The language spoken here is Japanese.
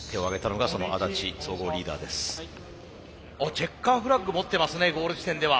チェッカーフラッグ持ってますねゴール地点では。